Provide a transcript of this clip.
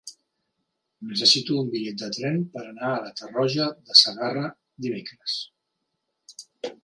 Necessito un bitllet de tren per anar a Tarroja de Segarra dimecres.